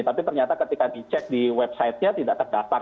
tapi ternyata ketika dicek di website nya tidak terdaftar